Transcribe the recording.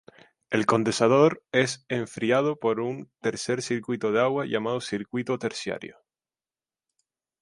El condensador es enfriado por un tercer circuito de agua llamado circuito terciario.